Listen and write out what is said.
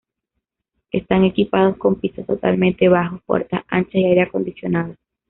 Están equipados con pisos totalmente bajos, puertas anchas y aire acondicionado.